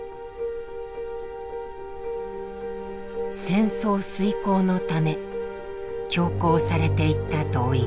戦争遂行のため強行されていった動員。